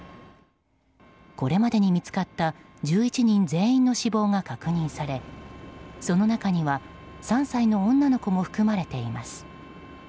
これまでに見つかった１１人全員の死亡が確認されその中には３歳の女の子も含まれています。